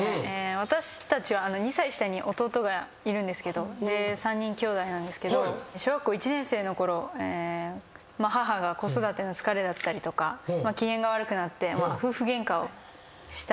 私たちは２歳下に弟がいるんですけど３人きょうだいなんですけど小学校１年生のころ母が子育ての疲れだったりとか機嫌が悪くなって夫婦ゲンカをしたわけですね。